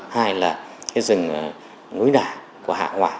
hai là rừng núi đà của hạ hỏa